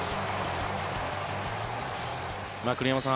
栗山さん